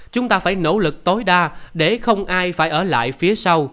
chúng ta phải nỗ lực tối đa để không ai phải ở lại phía sau